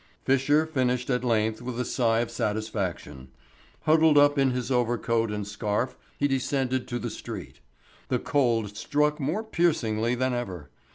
Fisher finished at length with a sigh of satisfaction. Huddled up in his overcoat and scarf he descended to the street. The cold struck more piercingly than ever.